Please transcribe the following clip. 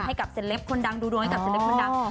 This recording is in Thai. ให้กับเซลปคนดังดูดวงให้กับเซลปคนดัง